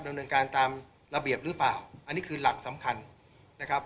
ดำเนินการตามระเบียบหรือเปล่าอันนี้คือหลักสำคัญนะครับ